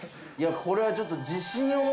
これはちょっと。